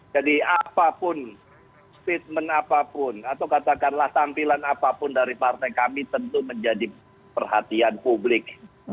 jadi apapun statement apapun atau katakanlah tampilan apapun dari partai kami tentu menjadi perhatian publik